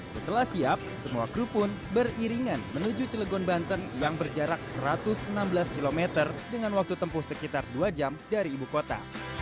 setelah siap semua kru pun beriringan menuju cilegon banten yang berjarak satu ratus enam belas km dengan waktu tempuh sekitar dua jam dari ibu kota